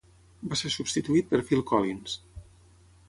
Va ser substituït per Phil Collins.